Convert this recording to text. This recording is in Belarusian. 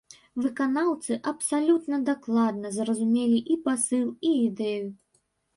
Выканаўцы абсалютна дакладна зразумелі і пасыл, і ідэю.